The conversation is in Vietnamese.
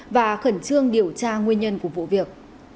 và khẩn trương điều tra nguyên nhân của vụ việc